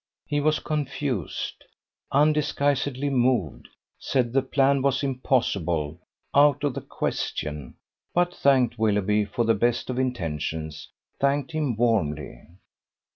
He was confused, undisguisedly moved, said the plan was impossible, out of the question, but thanked Willoughby for the best of intentions, thanked him warmly.